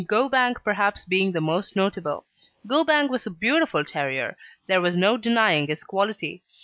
Go Bang perhaps being the most notable. Go Bang was a beautiful terrier; there was no denying his quality.